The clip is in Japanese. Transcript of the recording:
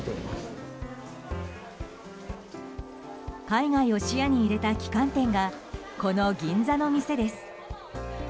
海外を視野に入れた旗艦店がこの銀座の店です。